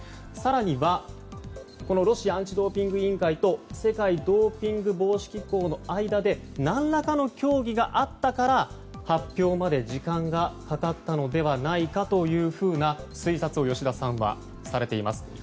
更には、ロシアアンチドーピング委員会と世界ドーピング防止機構の間で何らかの協議があったから発表まで時間がかかったのではないかという推察を吉田さんはされています。